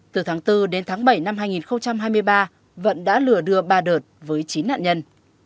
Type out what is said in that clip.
từ tháng bốn đến tháng bảy năm hai nghìn hai mươi ba vận đã lừa đưa ba đợt với chín nạn nhân